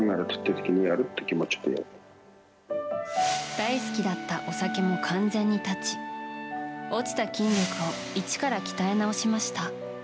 大好きだったお酒も完全に絶ち落ちた筋力を一から鍛え直しました。